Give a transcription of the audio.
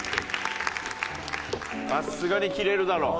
さすがにキレるだろう。